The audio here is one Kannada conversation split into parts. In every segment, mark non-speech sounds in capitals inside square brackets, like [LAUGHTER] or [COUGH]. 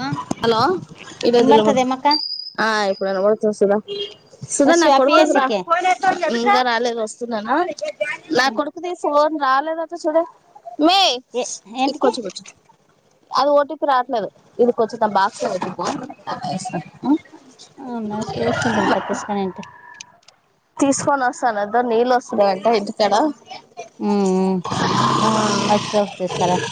ಹ ಹಲೋ. [INAUDIBLE] ಏನ್ ಬರ್ತದೆ ಮಕ್ಕ ಸುಧಾ. ವಸು ಅಪಿ ಸಿಕ್ಕೆ [INAUDIBLE] ಎಂಟಕ [INAUDIBLE] [INAUDIBLE] [INAUDIBLE] [INAUDIBLE] [INAUDIBLE]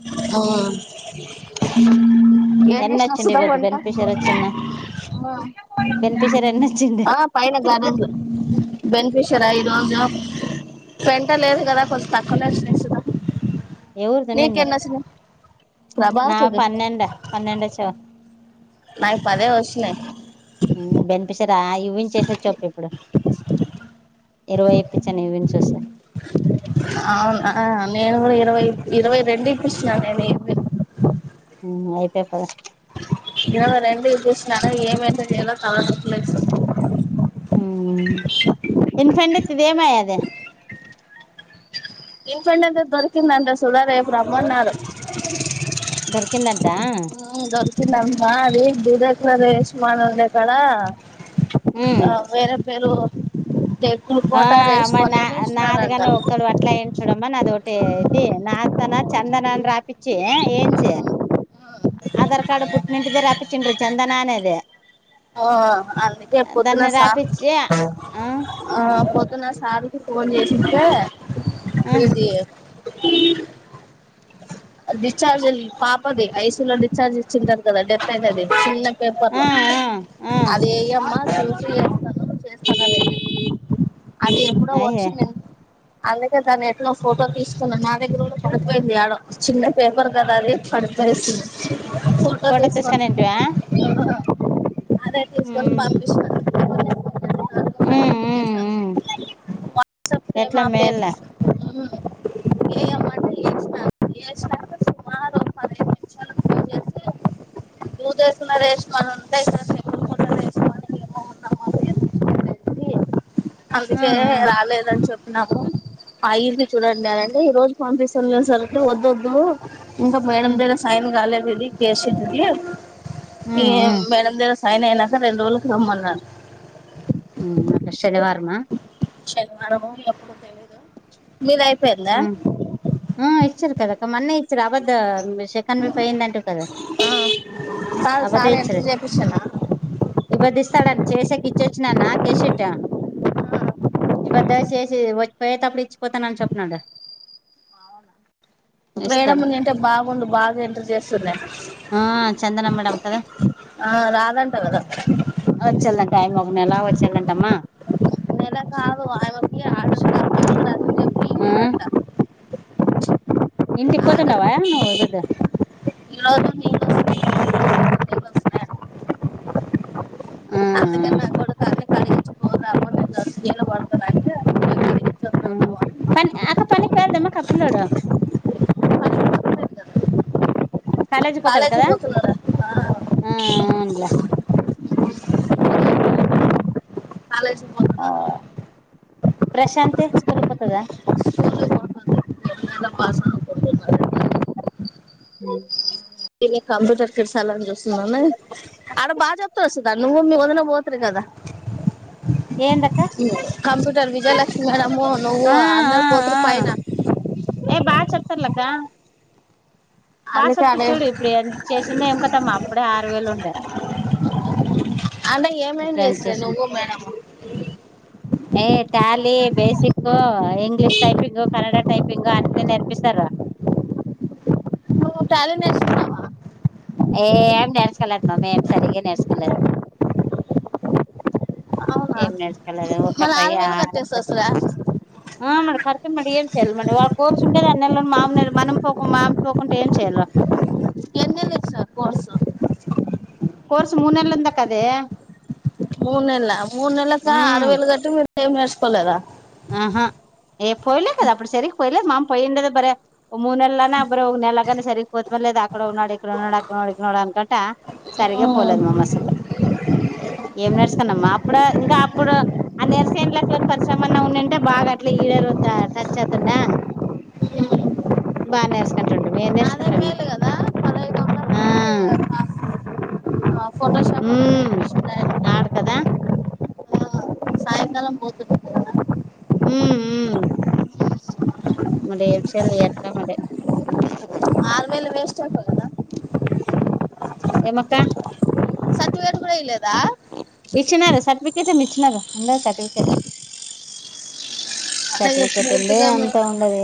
[INAUDIBLE] [INAUDIBLE] [INAUDIBLE] [INAUDIBLE] [INAUDIBLE] [INAUDIBLE] [INAUDIBLE] [INAUDIBLE] [INAUDIBLE] [INAUDIBLE] ಹ್ಮ್ ಆಯ್ತಪ. [INAUDIBLE] [INAUDIBLE] [INAUDIBLE] [INAUDIBLE] [INAUDIBLE] [INAUDIBLE] [INAUDIBLE] [INAUDIBLE] [INAUDIBLE] ದನ್ನ ರಾಪಿಚ್ಚಿ ಹ [INAUDIBLE] ಹ [INAUDIBLE] [INAUDIBLE] ಹ ಹ ಹ [INAUDIBLE] [INAUDIBLE] ಅಯ್ಯ [INAUDIBLE] [INAUDIBLE] [INAUDIBLE] ಫೋಟೋ ತಿಸ್ಕೊಂಡಂಟಿವ [INAUDIBLE] ಹ್ಮ್ [INAUDIBLE] ಹ್ಮ್ ವಾ. ಹ್ಮ್ ಹ್ಮ್ ಎಟ್ಲ [UNINTELLIGIBLE] ಮೇಲ್ಲ [INAUDIBLE] [INAUDIBLE] [INAUDIBLE] [INAUDIBLE] [INAUDIBLE] ಹ್ಮ್ ಹ್ಮ್ ಇಕ ಮೇಡಮ್ ಹ್ಮ್ ದ ಸೈನ್ ಾಲದೀಿ ಕಸಿದ್ದಿದ್ದ ಈ ಹ್ಮ್ ಹ್ಮ್ ಮೇಡಮ ದಗರ ಸೈನ್ ಅಐನಕ ರೆಂಡ ರೋಜ ಕ ರಮ್ಮನ್ನ ಹ್ಮ್ ಅ ಶನಿವಾರ್ಮ ಚಲ ಮರ ಎಪ್ಪಡ ತಿದು ನೀರಐಪರಂದ ಹ್ಮ್ ಹ್ಮ್ ಹೆಚ್ಚರ್ ಕದಕ್ಕ ಮೊನ್ನೆ ಇಚ್ಚರ್ ಅವದ ಶ ಎಕ್ಕನ ಬಿ ಪಯಂದಟು ಕದಾ ಅಬದಚ ರ ಇಬ್ದಿ್ಾಳನ್ನ ಚಸಕ್ಕೆ ಇಚ್ಚೆಚ್ಚ ನನ್ನ ಕೆಸೆಟ್ಟ ಇ ಬದೇಿಿಯ ಅಪ್ಪು ಇಚ್ಿತಾನ ಅನ್ ಚಪ್ಪ ನಡ ವೇಡ ನಿಟೆ ಬಾಾಗಂಡ ಬಾಾಗ ಎಂಟರ್ ಜಸ್ದ ಹ ರಾಧಂಟಾವದತ್ರ ವಚ್ಚಲ್ದಂಟಯಮಗ್ಲಚ್ಚೆದಂಟಮ್ಮ ಮ ಅ ಆ [UNINTELLIGIBLE] ಹ್ಮ್ ಇನ್ಟಿಕ್ಕಪ್ಪೊ ನವವನು ಬಾ ಇೋ ಹ್ಮ್ ಹ್ಮ್ ಪ ಅಕ್ಕ ಪನಿ ಪೇಳದಮ್ಮ ಕಪ್ಪಲೋಡ ಕಾಲೇಜ್ ಕೊತ ಬಿಕದಾ ಹ ಹನುಲ ಹ ಪ್ರಶಾಂತಿ ಸ್ವಲ್ಪತದ ಗಡ ಬಾಸ ಹ್ಮ ಈಗ ಕಂಪ್ಯೂಟರ್ ಕೆಡಸಾಲನ್ನ ಚೂಸ್ ನಾನ ಅಡ ಬಾಜ ಹಪ್ತರ್ಸತದ ನಂಗಗಮ ಒಂದ್ ಹೋತ್ರಿ ಕದ ಹ್ಮ ಕಂಪ್ಯೂಟರ್ ವಿಜಯಲಕ್ಷ್ಮಿ ಮೇಡಮು ನೋವು ಅಂದರ್ ಕೋತ್ರಿ ಫೈನ್ ಏ ಬಾ ಚತರ್ಲಕ್ಕ ಬಾ ಸತ್ತ ಚೂಡು ಇಪ್ಪಡ ಎಂತ ಚಸಂದ ಎಮ ಕದಮ್ಮ ಅಪ್ಪಡೇ ಆರು ವೇಲು ಉಂಡೆ ಅಂತಏಮೇನು್ಸ್ರ ನವು ಮೇಡಮ ಏ್ Tally basic English typing Kannada typing ಅನ್ನ ನೆರ್ಪಿಸಾರ ಟ್ಯಾಲೆಂಟ್ಷ್ಟ ಏ್ ನೆಡ್ಸ್ಕೋಲ್ಲದ ಮಾಮ್ ಏನ್ ಸರಿಗ ನಡ್ಸ್ಕೋದ ಏಕಲ್ಲ ಪ್ಪ ಯ ಹ್ೇ ಖರ್ು ಮಾಡಮ್ಲ್ಲ ಮ ಮಾಡಿ ಒಳ ಕರ್ಸಂಟೇದೆ ಅನ್ನೆಲ್ಲ ಮಾಮ ಮಮನುೋಕು ಮಾಮನುೋಕೊಂಡುಏಮ್ಯಲ್ಲೋ ಸ ಕೋರ್ಸ್ ಮೂನ್ನಲಂದಕದೇ ಮೂರು ನೆಲ ಮೂರು ನೆಲ ಕ ಆರು ವೇಲು ಕಟ್ಟಿ ನೀ ಸಏಮ ನೇರ್ಚಕೋಲರಾ ಹ ಹಾ ಏ್ಯಲ ಕದಾ ಅ ಸರಿ ಪಯಲ ಮಾನ್ ಪಯಂಡೇ ಬರ ಮೂನೆಲ್ಲಾನ ಅಬ್ಬ್ರ ಹ ನೆಲಗ ಸರಿಗ್ ಕೋತ್ ಮೇಲೆ ಅ ಆಕಡೋಗ ನೋಡ ನೋಡ ಆ ನೋಡ ನೋಡ ಅನ್ಕೊಂಡಟ ಸರಿಗ ಪಲದುಮ್ಮಾಮ ಮಸಾಲ ಮ ನೆರ್ಸ್ಕೊಂಡಮ್ಮ ಅಡ ಇಕ ಅಪ್ಪು ಆ ನೆರ್ಸಕೇನ್ ಲೆಕ್ಕ ಪರಿಶ ನ್ನ ಉ್ಣಟೆ ಬಾಾಗ ಅಟ್ಲಿ ಈಡರ ಅಂತ ಚ್ ಅತೊಂಡ ಬಾ ನೇರ್ಸ್ಕೊಂಡು ಉಂಟೆ ಮವು ನೇರ್ಸ್ಕೊಂಡ ಇಂಟ ಹಾ ಹ್ಮ್ ಆಡ್ ಕದಾ ಆ ಬೋತ ಹ್ಮ್ ಹ್ಮ್ ಮದೆ [UNINTELLIGIBLE] ಎಂಷಲ್ಲಿ [UNINTELLIGIBLE] ಎತ್ತ ಮೆ ಹ್ಮ [UNINTELLIGIBLE] ಆಮೇಲೆ ವೇಸ್ಟ್ ಆಗ್ದೆ [UNINTELLIGIBLE] ಎಮ್ಮಕ್ಕ [UNINTELLIGIBLE] ಕಡ ಇಲ್ಲದಾ ಇಚ್ನಾರ ಸರ್ಟಫಿಕೇಟ್ ಇಚ್ಚಿನಾರ ಉಂಡದಿ ಸರ್ಟಫಿಕೇಟ್ ಸರ್ಟಿಫಿಕೆಟ್ ಉಂದಿ ಅಂತ ಉಂಡದಿ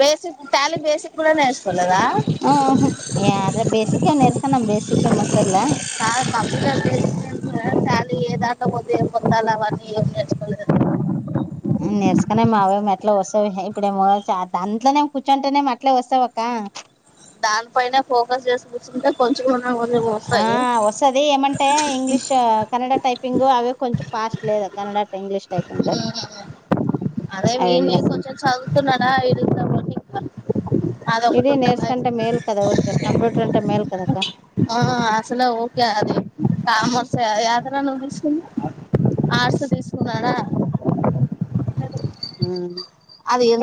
ಬೇಸಿಕ್ ಟ್ಯಾಲಿ ಬೇಸಿಕ್ ಕೂಡ ನೇರಸ್ಕೊಲೆದ [UNINTELLIGIBLE] ಹ್ ಹು ಯದೋ ಬೇಸಿಕ್ ನ್ರಸ್ಕೊದಿ ಬೇಸಿಕ್ ವಸ್ತುದೆಲೆ [UNINTELLIGIBLE] [UNINTELLIGIBLE] ಆ ಕಂ ಶಾಲಿ ಎ ದಾಟ ಕೊದ ಪೊತ್ತಾಲ ಅವನ್ನಿಏ ನೇರ್ಚುಕೊಳ್ಳಿ [UNINTELLIGIBLE] ನೆರ್ಸಕನೆ ಮಾವೇಮ ಅಟ್ಲ ಒಸ್ವವೆ ಇಪ್ಪಡೇಮೋ ದಾಂಟ್ಲೇ ಕುರ್ಚುಂನೆಮ ಅಟ್ಲೇ ವಸಾವವೆ ಅಕ್ಕ ದಾನ್ ಪೈನೆಫೋಕಸ್ ಕುಚುಟೇ ಕೊಂಚಗ [UNINTELLIGIBLE] ಮುಂದು ಆ ವಸದಿ ಎಮಟೇ ಇಂಗ್ಲಿಷ್ ಕನ್ನಡ ಟೈಪಿಂಗ್ ಅವೆ ಕೊಂಚಾಮ್ ಪಾಸ್ಟ್ ಲೆದು ಕನ್ನಡ ಟು ಇಂಗ್ಲಿಷ್ ಟೈಪಿಂಗ್ [UNINTELLIGIBLE] ದಾನೆ ಚದುವು ತೂನಡಾ ಎಡಿದಮನಿ ಇದೆ ನೇರ್ಸ್ಕುಂಟೆ ಮೇಲ್ ಕದ ಉರ್ಕೆ ಕಂಪ್ಯೂಟರ್ ಹುಂಟೆ ಮೇಲ್ ಕದಕ್ಕ ಹಾ ಅಸಲ ಓಕೆ ಅದಿ ಕಮರ್ಸ ಯತರ ನೀವು ಚೇಸಿದ್ದಿ ಆರ್ಟ್ಸ್ ತಿಸ್ಕುನಡ ಹ್ಮ್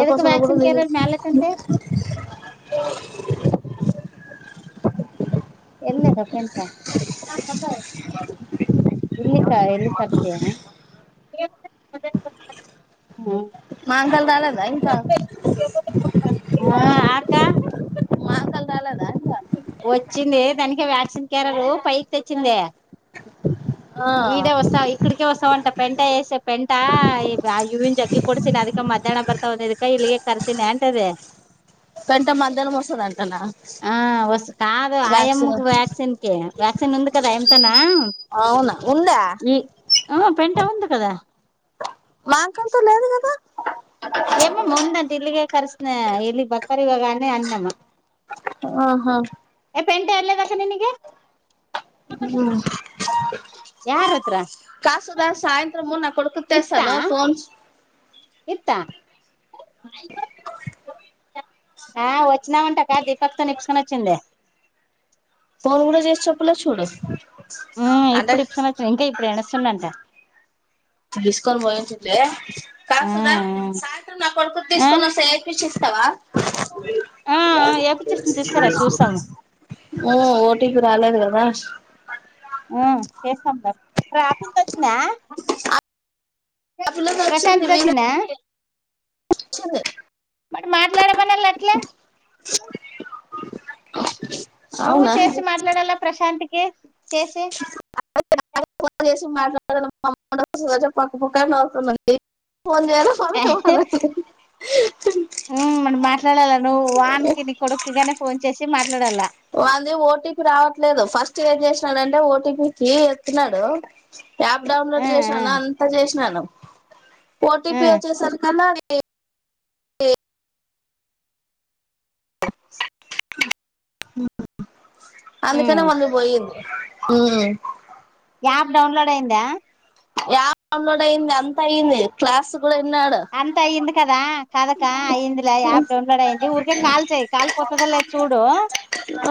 ಎದಕ್ಕೆ ವ್ಯಾಕ್ಸಿನ್ ಕ ಮೇಲೆ ತಂತೆ ಎಲಿದೆ [UNINTELLIGIBLE] ತಪ್ಪೆಂತ ಇಲ್ಲಿಕ್ಕ ಎಲ್ಲಿ ಕರ್ಸಯಾ ಹ್ಮ್ ಮಾಕಾಳ್ ದಲೆದ ಇಂಕಾ [UNINTELLIGIBLE] ಹಾ ಆಕ ವಚ್ಚಿಂದಿ ದನಕೆ ವ್ಯಾಕ್ಸಿನ್ ಕ್ಯೆರಿಯರ್ ಪೈಕಿ ತೇಚ್ಚಿಂದೆ [INAUDIBLE] ಈಡೇ ವಾಸ್ತವ [UNINTELLIGIBLE] ಅಕ್ಕಡಿಕೆ ಹೊಸ್ತವಂಟ ಪೆಂಟ ಎಏಸಿ ಪೆಂಟ ಈ ಇವಿನ ಜಗ್ಗಿ ಕೊಡಸಿ ನ ಅದಕ್ಕೆ ಮಧ್ಯಾಹ್ನ ಬರತ್ವ ಅದಿದಕೆ ಕೈ ಇಲ್ಲಿಗೆ ಕರ್ಸಿ ನೆಂಟದೆ ಪೇಂಟ ಮಧ್ಯಾಹ್ನ ವಸದಟಾನ ಹ ವಸ್ ಕದು ಆ ಎಮ ವ್ಯಾಕ್ಸಿನ್ ಕಿ ವ್ಯಾಕ್ಸಿನ್ ಉಂದು ಕದಾ ಆಮಂತನಾ ಉಂದಾ ಹ್ಮ್ ಪೆಂಟ ಉಂದು ಕದಾ ಮಾಂಕಂತ ಲೇದು ಕದಾ ಏಮ್ಮ ಮುಂದಂತ ಇಲ್ಲಿಗೆ ಕರ್ಸನ ಇಲ್ಲಿ ಬರ್ಕಾರಿ ಇವಾಗಾನೇ ಅಣ್ಣಮ್ಮ ಹ್ಮ ಹ್ಮ ಎ ಪೆಂಟೇ ಎಲೆದಕ ನೀನಗೆ [INAUDIBLE] ಹ್ಮ್ ಯಾರ ಹತ್ರ ಕಾಸುದ ಸಾಯಂತ್ರಮ್ ನಾ ಕೊಡೋಕ್ [UNINTELLIGIBLE] ಫೋನ್ ಇತ್ತ [INAUDIBLE] ಹಾ ವಾಚಿನವಟ್ಟಕ ದೀಪಕ್ ತೋ ಇಪೊಸ್ಕೊ ವಚಿಂದಿ ಫೋನ್ ಕೂಡ ಚೇಸಿ ಚೊಪ್ಪುಲೆದು ಚುಡು ಹ್ಮ್ ಇಪ್ಪುಡು ಇಪೋಸ್ಕೊಡ್ ಇಂಕ ಎನ ಸುಣಟ ಇಸ್ಕೊಂಡು ಬಯಂಟಿಟೇ ಕಸುದಾ ಸಾಯಂತ್ರಾಮ್ ನ ಕೊಡ್ಕು ತಿಸ್ಕೊಂವಸ್ಥೆ [UNINTELLIGIBLE] ಪಿಸುಸ್ತವ [INAUDIBLE] ಹ್ಮ್ ಓ ಟಿ ಪಿ ರಾಲೇದ್ಗದ ಹ್ಮ್ ಸಸ ಬ್ ಆಫೀಸ್ ವಚ್ಚಿನ ಪ್ರಶಾಂತ್ ದಕ್ಷಣ ಚನ್ನ ಮ ಮತ್ ಲಡ ಬನ್ನಲ್ಲ ಅಲ್ಲ [UNINTELLIGIBLE] ನವು ಚಸ ಮಾತ್ಲಡಲ್ಲ ಪ್ರಶಾಂತ್ಗೆ ಚಸಿ ಫನ್ಿಸಿ ಮಾಡಲ್ಲಮ್ಮ ಪಕ್ಕ ಪಕ್ಕ ಅತ ಫೋನ್ಯರ [UNINTELLIGIBLE] ಹ ಹ್ಮ್ ಮು ಮಾತಾಡಲ್ಲ ನವು ವಾಹನ್ ಕ ನೀ ಕೊಡುಕ್ಗನೆಫೋನ್ಚಿಸಿ ಮಾತಾಡಲ್ಲಾ ಒ ಓಟಿ ರಾವೇದು ಫಸ್ಟ್ ಏ್ಸನಡ ಓಟ ಪ ಕ ಎತ್ತನಾಡು ಯಪ್ ಡೌನ್ಲೋಡ್ ಚಸಾನ ಅಂತ ಚಸನು ಓಟಿ ಪಿ ಒಚೆ ಸರ್ ಕನ್ನ ಹ ಹ್ಮ ಅಂದ ಕಡೆ ಒಂದುಬಯ ಹ್ಮ್ ಯ ಆಪ್ ಡೌನ್ಲೋಡ್ ಅಐದಾ ಯಾಪ್ ಡೌನ್ಲೋಡ್ ಐಿ ಅಂತ ಯನ ಕ್ಲಾಸ್ ಗಳು ಎನ್ನಡು ಅಯ್ ಕದಾ ಕದಕ್ಕಯಿ ಲಾ ಯ್ಯಪ್ ಡೌನ್ಲೋಡ್ ಅಯಿ ಊರ್ಕ ಕಾಲ್ ಚಿ ಕಾಲ್ ಪತದಲ್ಲ ಚೂಡು ಹ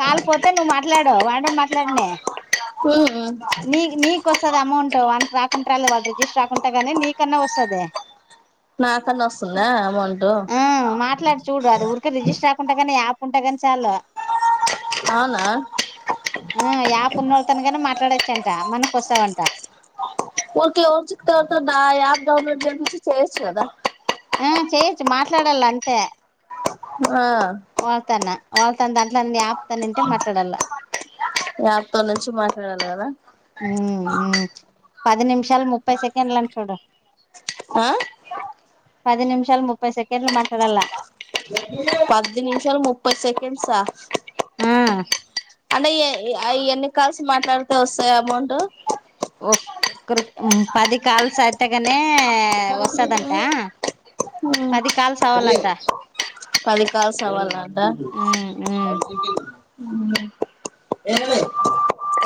ಕಾಲಪೋ ನವು ಮಾಟ್ಾಡು ಒಂಡು ಮಾಟ್ಡನೆ ಹ್ಮ್ ಹ್ಮ್ ನಕ್ಸ್ತದ ಅಮೌಂಟ್ ಒ ಅಕ ರಕೊಂಡು ರಲ್ಲೆ ಒಳು ರಜಿಸಸ್ರ್್ಕಂೆ ಾನ ನೀಕನ್ನ ಒಸ್ದೆ ನಾಕನ್ನಸಂದ ಅಮಂಟು ರರಿಜಿಿಸ್ಟರ್ ಆಕಂಟ ಯಪ್ ಉಂಟ ಾನ ಚಾು ಹಾನ ಹ್ಮಂ ಯ ಪುಣೋಳ ತನ ನ ಮಾತಾಡಚ್ಚಟ ಮನಕ ಕೊಸಾವಟ ಓ ಓ ಸಿಿತ ನಾ ಆಪ್ ಡೌನ್ಲೋಡ್ು ಚೆಸ ದ ಹ ಚಯಚ್ಚು ಮಾತಲಡಲ್ಲ ಅಂತೇ ಹಾ ವಳ್ತಾನ ವಳ್ತನ್ ದಾಂಟ್ಲ ಆಪ್ತಾನಂೇ ಮಾತಾಡಲ್ಲ ನಞಪ್ೋನುಚ ಮಾತಾಡಲ್ಲಾನ ಹ್ಮ್ ಹ್ಮ್ ಪದ ನಿಮಿಷಾಲ ಮುಪ್ಪೈ ಸೆಕೆಂಡ್ಲ್ಲ ಚೋಡ ಪದ ನಿಮಷಲ್ ಮುಪೈ ಸೆಕೆಂಡ್ಲ್ ಮಾತಾಡಲ್ಲ ಪತ್ತು ನಿಮಿಷಾಲ ಮುಪ್ಪತ್ತು ಸೆಕೆಂಡ್ಸಾ ಹಾ ಅಂದೆ ಎಣ ಕಲ್ಸ ಮಾತಾಡ್ತೆ ವಸ್ಾಯ ಅಮೌಂಟ್ ಒ್ರ ಪದ ಕಾಲ್ಸ್ ಅಐತೆಗನೆ ವಸ್ದಟ ಪದ ಕಾಲ್ಸ್ ಅವಾಲಟ ಪದಿಕಾಾಲ ಸವಾಲಾಂತ ಹ್ಮ ಎ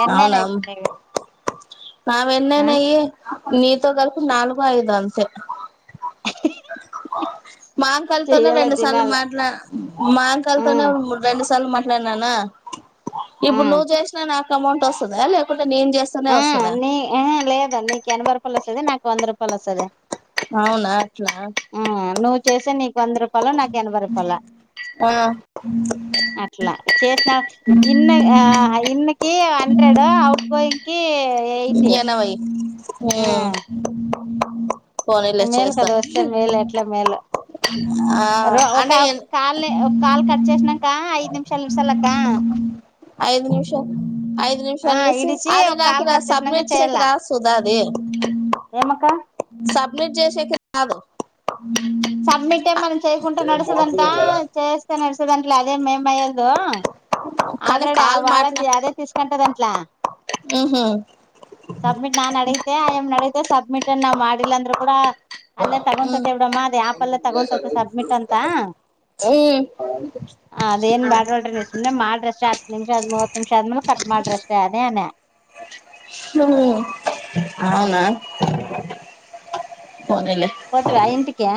ಎನ್ನನ ಇಪ್ಪ ನೀವೆ ನಾವ್ೆನ್ನೆನ ನೀ ತಗಲ್ಕು ನಾಲ್ಗು ಆಯದು ಅಂತೆ ಮಾಂಕಾಲ ತನ ರೆು ಸಾರ್ಲು ಮಾಲ ಮಾಂಕಲ್ ತನ ರೆು ಸಾರ್ಲು ಮಾತಾಡನಾಾನ ಇಪ್ಪು ನೀವು ಜಸ ಅಮೌಂಟ್ಸ್ದಾಕೆ ನ ನೀನ್ ಜಸ್ತಾನೇ ವತದಾ ನೀ ಎನ್ ಲೆ ಅದು [UNINTELLIGIBLE] ಹೌನ ಕ್ಲಾಸ್ [INAUDIBLE] ಅಟ್ಲ ಚಸ ಇನ್ನು ಇನ್ಕ ಹಂಡ್ರೆಡ್ ಔಟ್ ಗೋಯಿಂಗ್ [UNINTELLIGIBLE] ಕೀ ಎನ ವೈ ಹ್ಮ್ ಅ ಮೇಲ್ ಕದವಸ್ತೆ ಮೇಲೆ ಎಟ್ಲ ಮೇಲ್ ರೋ ಒ ಕಾಲ್ ಕಾಲ್ ಕಾಲ್ [UNINTELLIGIBLE] ಐದು ನಿಮಷಾಲ ನಿಮಷಾಲಕ್ಕ [UNINTELLIGIBLE] ಐದ್ ನಿಮಿಷ ಐದ್ ನಿಮಿಷ ಅಲ್ಲಿಸಿ ಅ ದಿನ [UNINTELLIGIBLE] ಏಮಕ್ಕ [UNINTELLIGIBLE] [UNINTELLIGIBLE] [UNINTELLIGIBLE] ಸಬ್ಮಿಟ್ ನಾ ನಡಿತೆ ಆಮ ನಡಿತೆ ಸಬ್ಮಿಟ್ ಏನ್ ನಾವ್ ಮಾಡಿಲ್ಲ ಅಂದ್ರೂ ಕೂಡ ಅಲ್ಲೇ ತೋಗೊಂತೈತೇ ಬಿಡಮ್ಮ ಅದ ಆಪ್ ಅಲ್ಲೇ ತೊಗೊಂತೈತ್ ಸಬ್ಮಿಟ್ ಅಂತ ಹ್ಮ್ ಅ ಅದೇನ್ ಬ್ಯಾಡ ಬಿಡ್ರಿ [UNINTELLIGIBLE] ಮಾಡ್ರಷ್ಟೇ ಹತ್ತು ನಿಮಿಷ ಆದ ಮೂವತ್ ನಿಮಿಷ ಆದ್ಮೇಲೆ ಕಟ್ ಮಾಡ್ರ ಅಷ್ಟೇ ಅದೇನೆ. ಹ್ಮ್ ಹೌನಾ ಹ್ಮ್ ಫೋನಲ್ಲೆ. ಗೊತ್ವಾ [UNINTELLIGIBLE]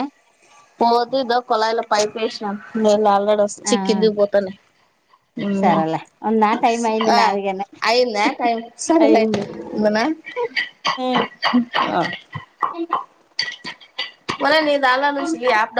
ಹ್ಮ್ [UNINTELLIGIBLE] ಹ್ಮ್ [UNINTELLIGIBLE] [UNINTELLIGIBLE] ಹ್ಮ [UNINTELLIGIBLE]